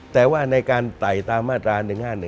แต่ว่าในการไต่ตามมาตรา๑๕๑